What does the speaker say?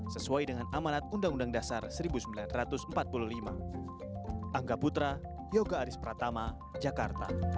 sesuai dengan amanat undang undang dasar seribu sembilan ratus empat puluh lima